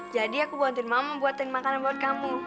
jadi aku bantuin mama buatkan makanan buat kamu